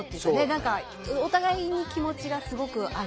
何かお互いに気持ちがすごくある。